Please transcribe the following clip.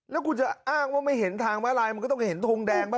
แล้วคุณจะอ้างว่าไม่เห็นทางมาลายมันก็ต้องเห็นทงแดงบ้าง